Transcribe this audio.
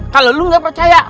kalo lu gak percaya